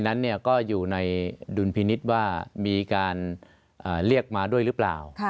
นั้นก็อยู่ในดุลพินิษฐ์ว่ามีการเรียกมาด้วยหรือเปล่า